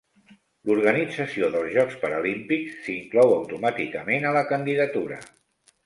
L'organització dels Jocs Paralímpics s'inclou automàticament a la candidatura.